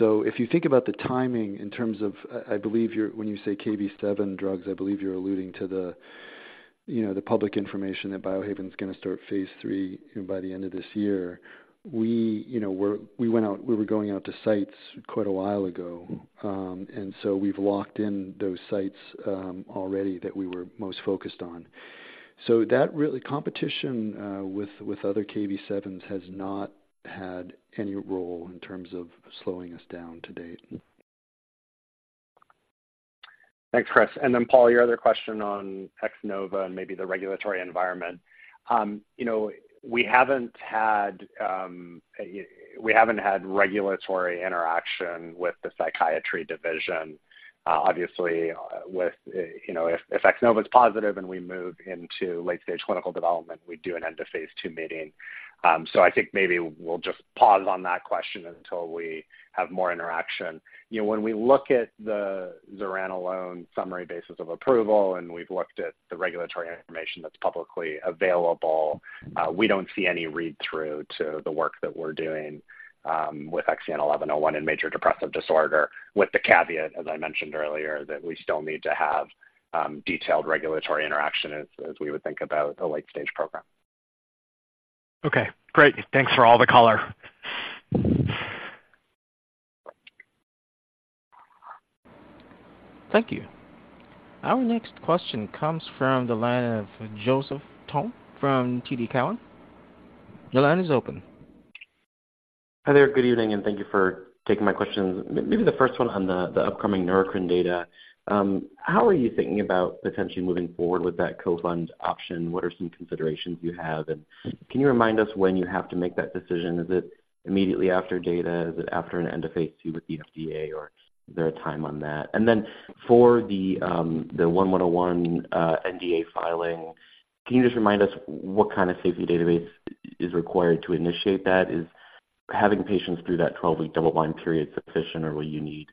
So if you think about the timing in terms of, I believe, when you say Kv7 drugs, I believe you're alluding to the, you know, the public information that Biohaven's going to start phase 3, you know, by the end of this year. We, you know, we were going out to sites quite a while ago, and so we've locked in those sites, already that we were most focused on. So that really... Competition with other Kv7s has not had any role in terms of slowing us down to date. Thanks, Chris. And then, Paul, your other question on X-NOVA and maybe the regulatory environment. You know, we haven't had a, we haven't had regulatory interaction with the psychiatry division. Obviously, with, you know, if, if X-NOVA is positive and we move into late-stage clinical development, we do an end-of-phase 2 meeting. So I think maybe we'll just pause on that question until we have more interaction. You know, when we look at the zuranolone summary basis of approval, and we've looked at the regulatory information that's publicly available, we don't see any read-through to the work that we're doing, with XEN1101 in major depressive disorder, with the caveat, as I mentioned earlier, that we still need to have, detailed regulatory interaction as, as we would think about a late-stage program. Okay, great. Thanks for all the color. Thank you. Our next question comes from the line of Joseph Thome from TD Cowen. Your line is open. Hi there. Good evening, and thank you for taking my questions. Maybe the first one on the upcoming Neurocrine data. How are you thinking about potentially moving forward with that co-fund option? What are some considerations you have, and can you remind us when you have to make that decision? Is it immediately after data? Is it after an end of phase 2 with the FDA, or is there a time on that? And then for the 1101 NDA filing, can you just remind us what kind of safety database is required to initiate that? Is-... having patients through that 12-week double-blind period sufficient, or will you need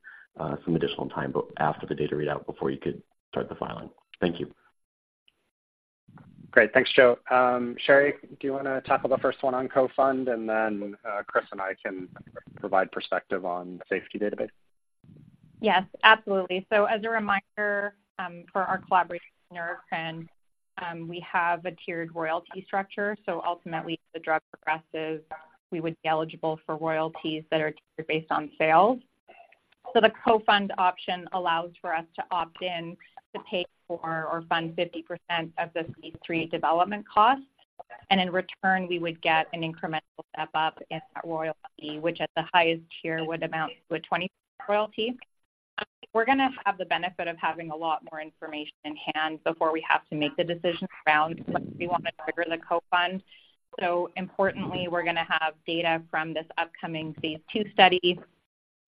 some additional time after the data readout before you could start the filing? Thank you. Great, thanks, Joe. Sherry, do you want to tackle the first one on co-fund, and then Chris and I can provide perspective on safety database? Yes, absolutely. So as a reminder, for our collaboration partner, Neurocrine, we have a tiered royalty structure. So ultimately, if the drug progresses, we would be eligible for royalties that are tiered based on sales. So the co-fund option allows for us to opt in to pay for or fund 50% of the phase III development costs. And in return, we would get an incremental step up in that royalty, which at the highest tier, would amount to a 20% royalty. We're gonna have the benefit of having a lot more information in hand before we have to make the decision around whether we want to trigger the co-fund. So importantly, we're gonna have data from this upcoming phase II study,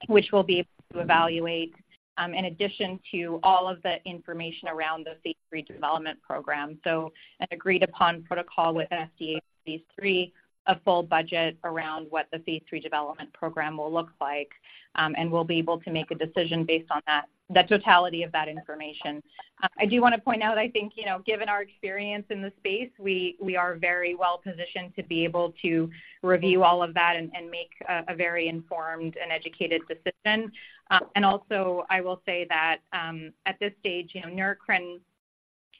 which we'll be able to evaluate, in addition to all of the information around the phase III development program. An agreed-upon protocol with FDA phase 3, a full budget around what the phase 3 development program will look like, and we'll be able to make a decision based on that, the totality of that information. I do want to point out, I think, you know, given our experience in the space, we are very well-positioned to be able to review all of that and make a very informed and educated decision. Also, I will say that at this stage, you know,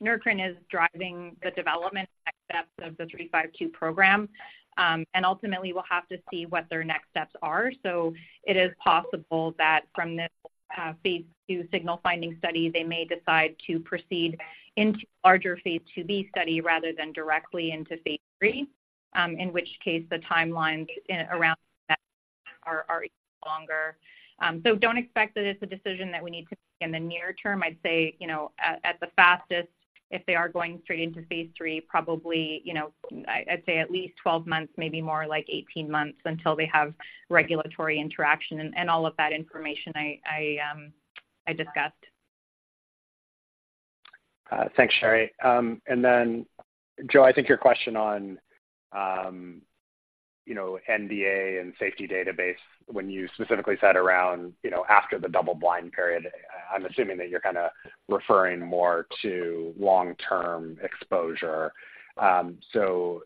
Neurocrine is driving the development next steps of the NBI-921352 program. Ultimately, we'll have to see what their next steps are. So it is possible that from this, phase II signal finding study, they may decide to proceed into larger phase IIB study rather than directly into phase III, in which case the timelines in, around that are, are even longer. So don't expect that it's a decision that we need to make in the near term. I'd say, you know, at, at the fastest, if they are going straight into phase III, probably, you know, I, I'd say at least 12 months, maybe more like 18 months until they have regulatory interaction and, and all of that information I, I, I discussed. Thanks, Sherry. And then, Joe, I think your question on, you know, NDA and safety database, when you specifically said around, you know, after the double-blind period, I'm assuming that you're kind of referring more to long-term exposure. So,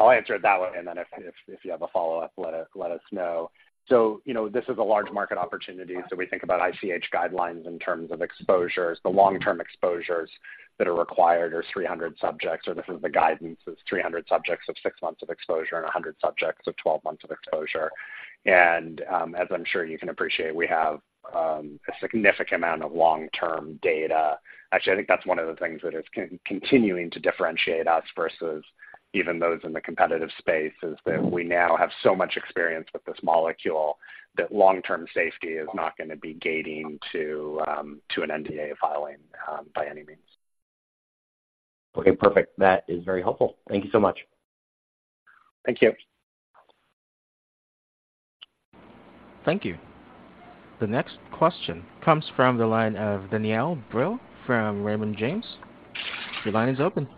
I'll answer it that way, and then if you have a follow-up, let us know. So, you know, this is a large market opportunity, so we think about ICH guidelines in terms of exposures. The long-term exposures that are required are 300 subjects, or this is the guidance is 300 subjects of six months of exposure and 100 subjects of twelve months of exposure. And, as I'm sure you can appreciate, we have a significant amount of long-term data. Actually, I think that's one of the things that is continuing to differentiate us versus even those in the competitive space, is that we now have so much experience with this molecule that long-term safety is not gonna be gating to, to an NDA filing, by any means. Okay, perfect. That is very helpful. Thank you so much. Thank you. Thank you. The next question comes from the line of Danielle Brill from Raymond James. Your line is open.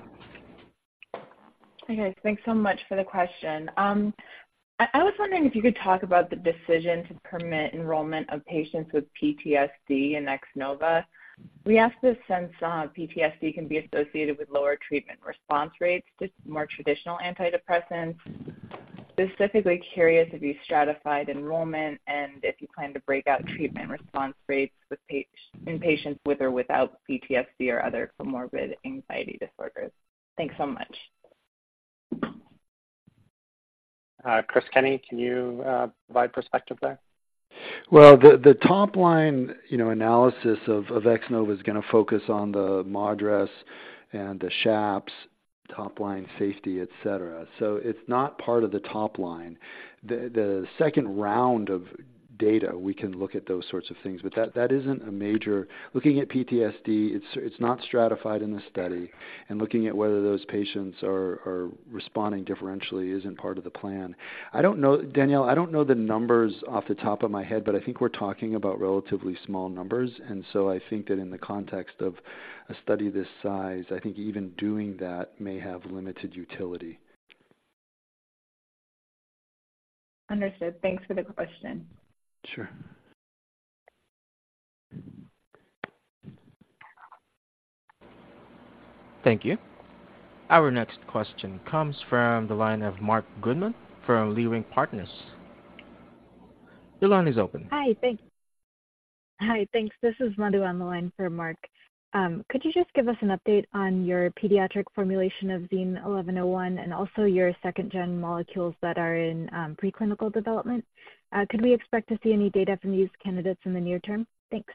Hi, guys. Thanks so much for the question. I was wondering if you could talk about the decision to permit enrollment of patients with PTSD in X-NOVA. We ask this since PTSD can be associated with lower treatment response rates to more traditional antidepressants. Specifically curious if you stratified enrollment and if you plan to break out treatment response rates within patients with or without PTSD or other comorbid anxiety disorders. Thanks so much. Hi, Chris Kenney, can you provide perspective there? Well, the top line, you know, analysis of X-NOVA is gonna focus on the MADRS and the SHAPS top line safety, etc. So it's not part of the top line. The second round of data, we can look at those sorts of things, but that isn't a major... Looking at PTSD, it's not stratified in the study, and looking at whether those patients are responding differentially isn't part of the plan. I don't know--Danielle, I don't know the numbers off the top of my head, but I think we're talking about relatively small numbers, and so I think that in the context of a study this size, I think even doing that may have limited utility. Understood. Thanks for the question. Sure. Thank you. Our next question comes from the line of Mark Goodman from Leerink Partners. Your line is open. Hi, thank you. Hi, thanks. This is Madhu on the line for Mark. Could you just give us an update on your pediatric formulation of XEN1101 and also your second-gen molecules that are in, preclinical development? Could we expect to see any data from these candidates in the near term? Thanks.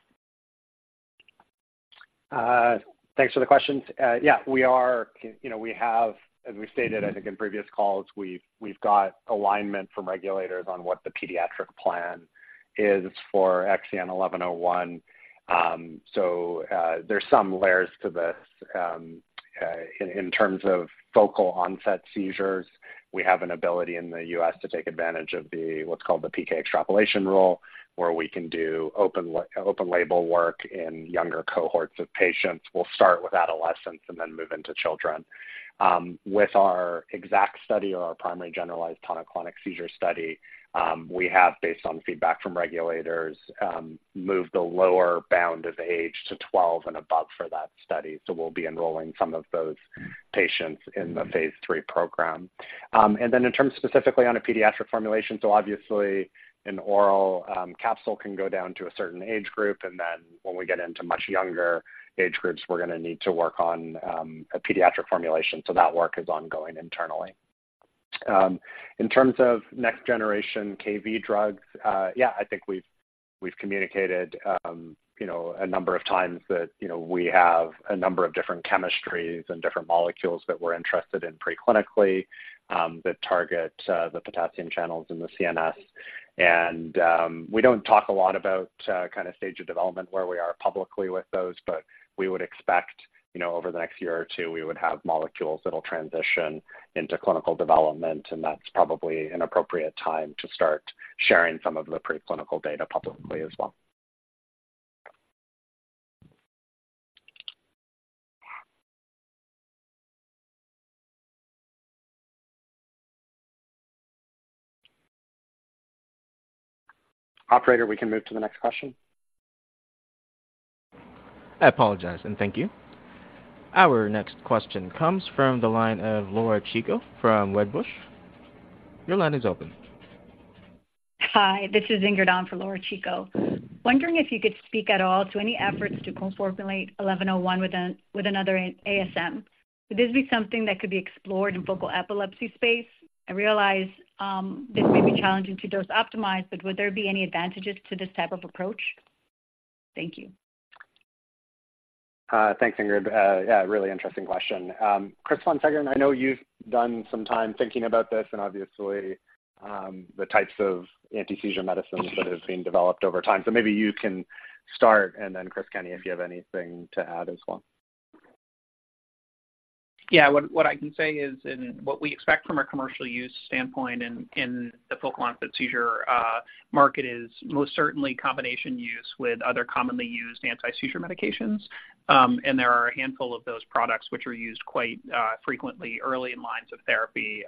Thanks for the question. Yeah, we are, you know, we have, as we've stated, I think in previous calls, we've got alignment from regulators on what the pediatric plan is for XEN1101. So, there's some layers to this. In terms of focal onset seizures, we have an ability in the U.S. to take advantage of the, what's called the PK extrapolation rule, where we can do open label work in younger cohorts of patients. We'll start with adolescents and then move into children. With our EXACT study or our primary generalized tonic-clonic seizure study, we have, based on feedback from regulators, moved the lower bound of age to 12 and above for that study. So we'll be enrolling some of those patients in the phase 3 program. And then in terms specifically on a pediatric formulation, so obviously an oral capsule can go down to a certain age group, and then when we get into much younger age groups, we're going to need to work on a pediatric formulation. So that work is ongoing internally. In terms of next generation Kv drugs, yeah, I think we've communicated, you know, a number of times that, you know, we have a number of different chemistries and different molecules that we're interested in preclinically, that target the potassium channels in the CNS. We don't talk a lot about kind of stage of development, where we are publicly with those, but we would expect, you know, over the next year or two, we would have molecules that will transition into clinical development, and that's probably an appropriate time to start sharing some of the preclinical data publicly as well. Operator, we can move to the next question. I apologize, and thank you. Our next question comes from the line of Laura Chico from Wedbush. Your line is open. Hi, this is Ingrid on for Laura Chico. Wondering if you could speak at all to any efforts to co-formulate 1101 with another ASM. Would this be something that could be explored in focal epilepsy space? I realize, this may be challenging to dose optimize, but would there be any advantages to this type of approach? Thank you. Thanks, Ingrid. Yeah, really interesting question. Chris von Seggern, I know you've done some time thinking about this and obviously, the types of anti-seizure medicines that have been developed over time. So maybe you can start, and then, Chris Kenney, if you have anything to add as well. Yeah. What I can say is in what we expect from a commercial use standpoint in the focal onset seizure market is most certainly combination use with other commonly used anti-seizure medications. And there are a handful of those products which are used quite frequently early in lines of therapy.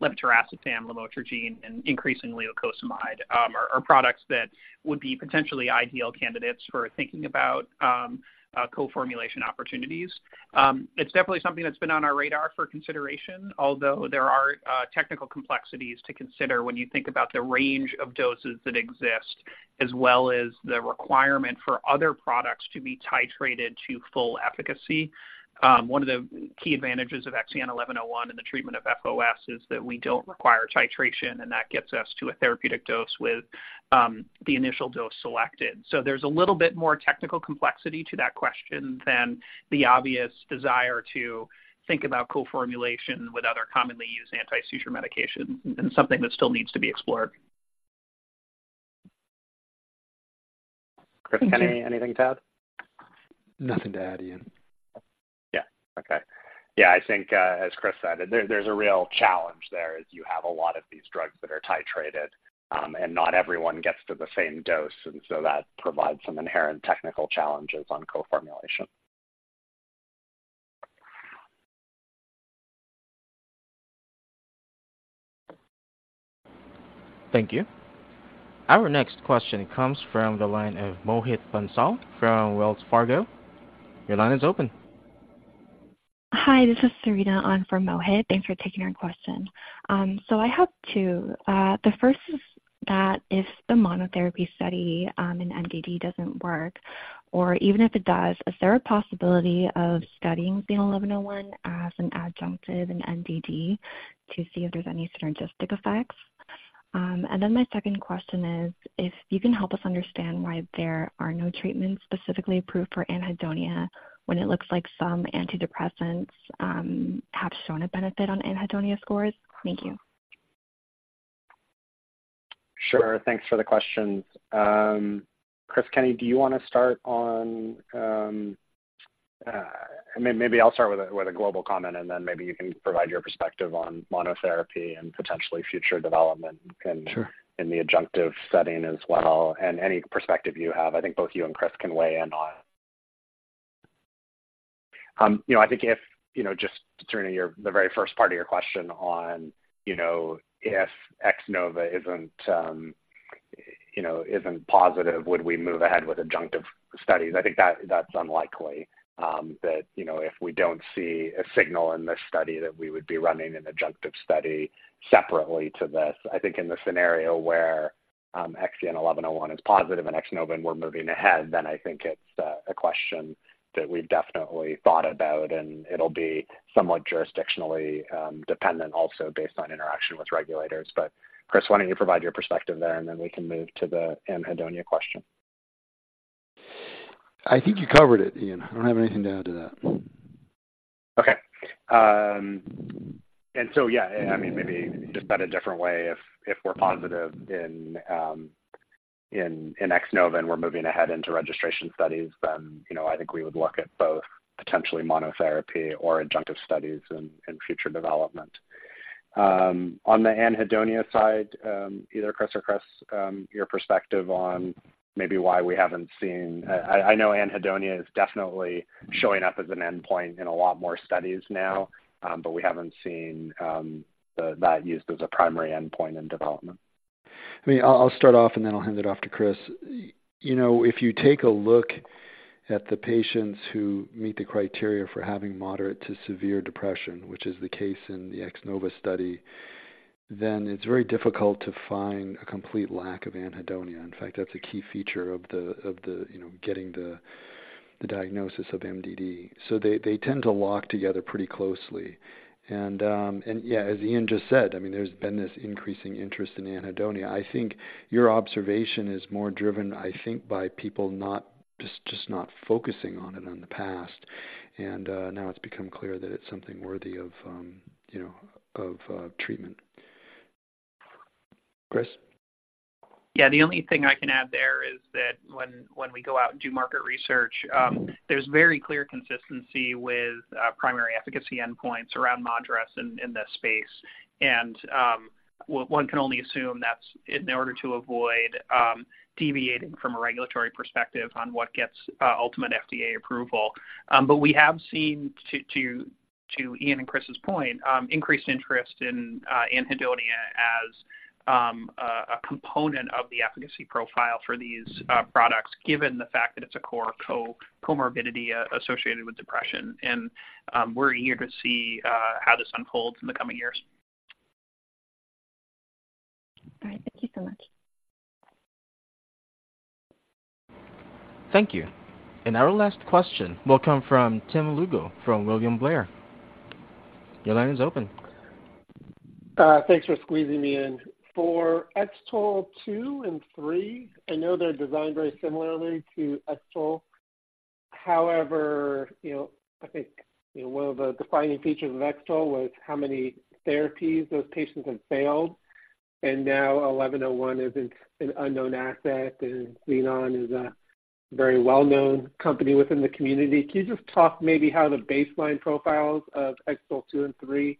Levetiracetam, lamotrigine, and increasingly lacosamide are products that would be potentially ideal candidates for thinking about co-formulation opportunities. It's definitely something that's been on our radar for consideration, although there are technical complexities to consider when you think about the range of doses that exist, as well as the requirement for other products to be titrated to full efficacy. One of the key advantages of XEN1101 in the treatment of FOS is that we don't require titration, and that gets us to a therapeutic dose with the initial dose selected. So there's a little bit more technical complexity to that question than the obvious desire to think about co-formulation with other commonly used anti-seizure medication, and something that still needs to be explored. Chris Kenney, anything to add? Nothing to add, Ian. Yeah. Okay. Yeah, I think, as Chris said, there, there's a real challenge there, is you have a lot of these drugs that are titrated, and not everyone gets to the same dose, and so that provides some inherent technical challenges on co-formulation. Thank you. Our next question comes from the line of Mohit Bansal from Wells Fargo. Your line is open. Hi, this is Serena, on for Mohit. Thanks for taking our question. So I have two. The first is that if the monotherapy study in MDD doesn't work, or even if it does, is there a possibility of studying XEN1101 as an adjunctive in MDD to see if there's any synergistic effects? And then my second question is, if you can help us understand why there are no treatments specifically approved for anhedonia, when it looks like some antidepressants have shown a benefit on anhedonia scores. Thank you. Sure. Thanks for the questions. Chris Kenney, do you want to start on, maybe I'll start with a global comment, and then maybe you can provide your perspective on monotherapy and potentially future development in- Sure. in the adjunctive setting as well, and any perspective you have. I think both you and Chris can weigh in on. You know, I think if, you know, just to turn to your, the very first part of your question on, you know, if X-NOVA isn't, you know, isn't positive, would we move ahead with adjunctive studies? I think that, that's unlikely, that, you know, if we don't see a signal in this study, that we would be running an adjunctive study separately to this. I think in the scenario where, XEN1101 is positive in X-NOVA and we're moving ahead, then I think it's a, a question that we've definitely thought about, and it'll be somewhat jurisdictionally, dependent also based on interaction with regulators. But Chris, why don't you provide your perspective there, and then we can move to the anhedonia question? I think you covered it, Ian. I don't have anything to add to that. Okay, and so, yeah, I mean, maybe just put a different way, if we're positive in X-NOVA and we're moving ahead into registration studies, then, you know, I think we would look at both potentially monotherapy or adjunctive studies in future development. On the anhedonia side, either Chris or Chris, your perspective on maybe why we haven't seen that used as a primary endpoint in development. I know anhedonia is definitely showing up as an endpoint in a lot more studies now, but we haven't seen that used as a primary endpoint in development. I mean, I'll start off, and then I'll hand it off to Chris. You know, if you take a look at the patients who meet the criteria for having moderate to severe depression, which is the case in the X-NOVA study, then it's very difficult to find a complete lack of anhedonia. In fact, that's a key feature of you know, getting the diagnosis of MDD. So they tend to lock together pretty closely. And yeah, as Ian just said, I mean, there's been this increasing interest in anhedonia. I think your observation is more driven, I think, by people not focusing on it in the past. And now it's become clear that it's something worthy of treatment. Chris? Yeah, the only thing I can add there is that when we go out and do market research, there's very clear consistency with primary efficacy endpoints around MADRS in this space. And, well, one can only assume that's in order to avoid deviating from a regulatory perspective on what gets ultimate FDA approval. But we have seen, to Ian and Chris's point, increased interest in anhedonia as a component of the efficacy profile for these products, given the fact that it's a core comorbidity associated with depression. And, we're eager to see how this unfolds in the coming years. All right. Thank you so much. Thank you. And our last question will come from Tim Lugo from William Blair. Your line is open. Thanks for squeezing me in. For X-TOLE2 and X-TOLE3, I know they're designed very similarly to X-TOLE. However, you know, I think, you know, one of the defining features of X-TOLE was how many therapies those patients had failed, and now XEN1101 is an unknown asset, and Xenon is a very well-known company within the community. Can you just talk maybe how the baseline profiles of X-TOLE2 and X-TOLE3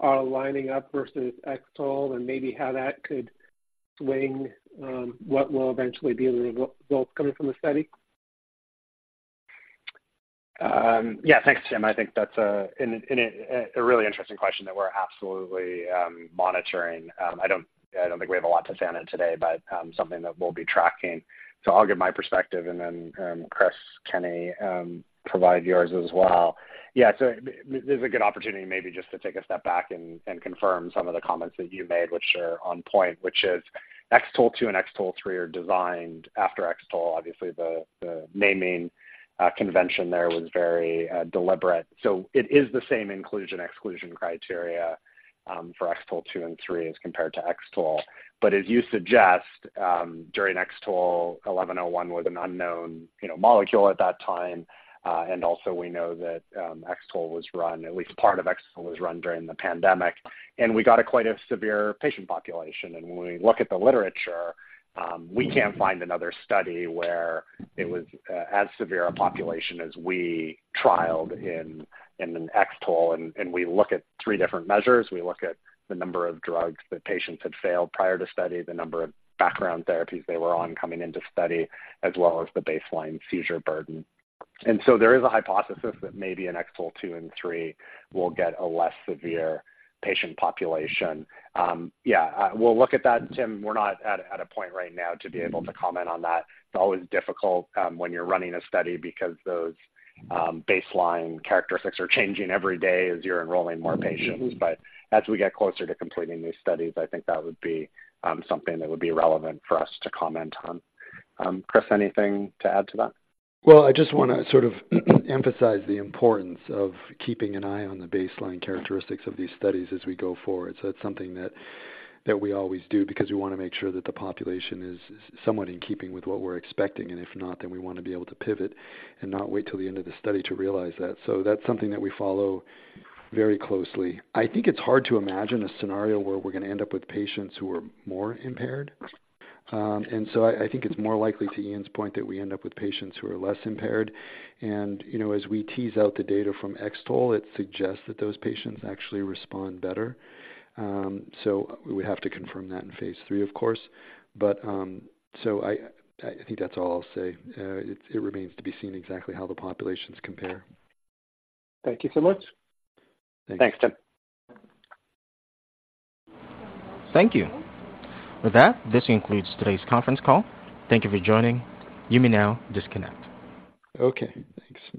are lining up versus X-TOLE, and maybe how that could swing what will eventually be the results coming from the study? Yeah. Thanks, Tim. I think that's a really interesting question that we're absolutely monitoring. I don't think we have a lot to say on it today, but something that we'll be tracking. So I'll give my perspective, and then Chris Kenney provide yours as well. Yeah, so this is a good opportunity maybe just to take a step back and confirm some of the comments that you made, which are on point, which is X-TOLE 2 and X-TOLE 3 are designed after X-TOLE. Obviously, the naming convention there was very deliberate. So it is the same inclusion/exclusion criteria for X-TOLE 2 and 3 as compared to X-TOLE. But as you suggest, during X-TOLE, 1101 was an unknown, you know, molecule at that time. And also we know that XTOL was run, at least part of XTOL was run during the pandemic, and we got quite a severe patient population. And when we look at the literature, we can't find another study where it was as severe a population as we trialed in an XTOL. And we look at three different measures. We look at the number of drugs that patients had failed prior to study, the number of background therapies they were on coming into study, as well as the baseline seizure burden. And so there is a hypothesis that maybe in X-TOLE2 and X-TOLE3, we'll get a less severe patient population. Yeah, we'll look at that, Tim. We're not at a point right now to be able to comment on that. It's always difficult, when you're running a study because those baseline characteristics are changing every day as you're enrolling more patients. But as we get closer to completing these studies, I think that would be something that would be relevant for us to comment on. Chris, anything to add to that? Well, I just want to sort of emphasize the importance of keeping an eye on the baseline characteristics of these studies as we go forward. So that's something that we always do because we want to make sure that the population is somewhat in keeping with what we're expecting, and if not, then we want to be able to pivot and not wait till the end of the study to realize that. So that's something that we follow very closely. I think it's hard to imagine a scenario where we're going to end up with patients who are more impaired. And so I think it's more likely, to Ian's point, that we end up with patients who are less impaired. And, you know, as we tease out the data from XTOL, it suggests that those patients actually respond better. So we would have to confirm that in phase 3, of course. But, so I think that's all I'll say. It remains to be seen exactly how the populations compare. Thank you so much. Thanks, Tim. Thank you. With that, this concludes today's conference call. Thank you for joining. You may now disconnect. Okay, thanks.